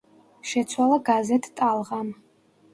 შეცვალა გაზეთ „ტალღამ“.